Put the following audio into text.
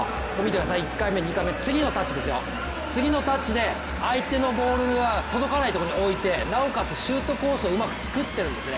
１回目、２回目、次のタッチで相手のボールが届かないとこに置いてなおかつシュートコースをうまく作っているんですね。